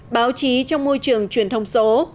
báo chí trong môi trường truyền thông số